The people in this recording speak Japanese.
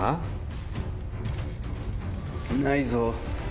ないぞ。